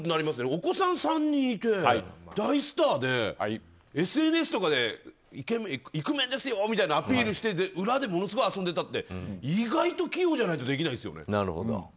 お子さん３人いて、大スターでＳＮＳとかでイクメンですよみたいなアピールしてて裏でものすごい遊んでたって意外と器用じゃないとできないですよね。